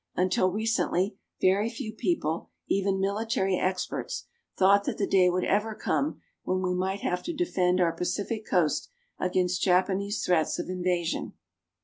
Until recently very few people, even military experts, thought that the day would ever come when we might have to defend our Pacific Coast against Japanese threats of invasion.